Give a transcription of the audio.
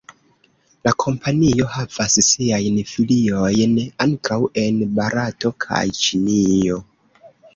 La kompanio havas siajn filiojn ankaŭ en Barato kaj Ĉinio.